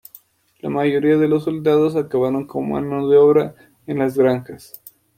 La mayoría de los soldados acabaron como mano de obra en las granjas.